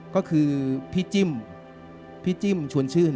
ก็คือพี่จิ้มพี่จิ้มชวนชื่น